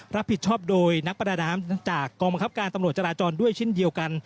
รับผิดชอบโดยนักประดาน้ำจากกองบังคับการตำรวจจราจรด้วยเช่นเดียวกัน